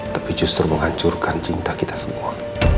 tapi justru menghancurkan cinta kita semua